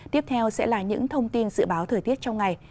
tiếp theo sẽ là những thông tin dự báo thời tiết trong ngày